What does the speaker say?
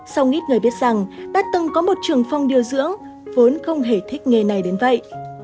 sau ít người biết rằng đã từng có một trưởng phòng điều dưỡng vốn không hề thích nghề này đến vậy